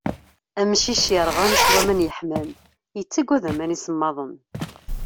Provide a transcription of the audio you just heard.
Amcic yerɣan s waman yeḥman, yettaggad aman isemmaḍen.